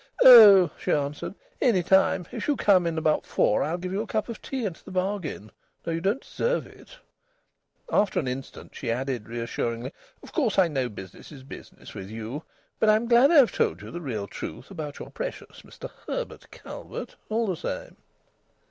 "Oh!" she answered, "any time. If you come in about four, I'll give you a cup of tea into the bargain. Though you don't deserve it!" After an instant, she added reassuringly: "Of course I know business is business with you. But I'm glad I've told you the real truth about your precious Mr Herbert Calvert, all the same."